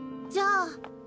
じゃあ。